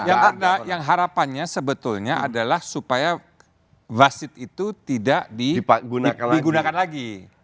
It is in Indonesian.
yang ada yang harapannya sebetulnya adalah supaya wasit itu tidak digunakan lagi